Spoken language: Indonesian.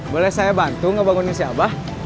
boleh saya bantu ngebangunin si abah